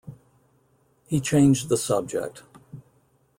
He changed the subject.